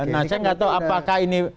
nah saya nggak tahu apakah ini